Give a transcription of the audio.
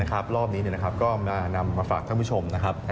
นะครับรอบนี้นะครับก็มานำมาฝากทั้งผู้ชมนะครับ